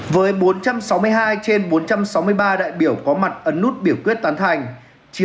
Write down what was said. với bốn trăm sáu mươi hai trên bốn trăm sáu mươi ba đại biểu có mặt ấn nút biểu quyết tán thành